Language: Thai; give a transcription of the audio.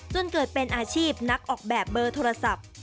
จนเกิดเป็นอาชีพนักออกแบบเบอร์โทรศัพท์